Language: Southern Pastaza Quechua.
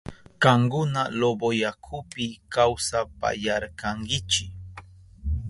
Kankuna Loboyakupi kawsapayarkankichi.